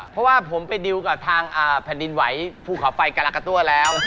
เพราะว่าผมไปดิวกับทางแผ่นดินไหวภูเขาไฟกรกะตั้วแล้ว